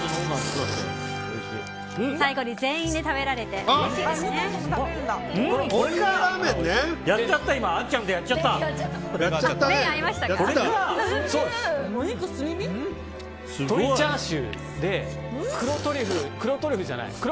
最後に全員で食べられておいしいですね。